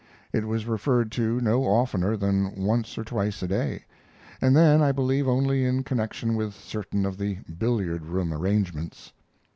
It was referred to no oftener than once or twice a day, and then I believe only in connection with certain of the billiard room arrangements.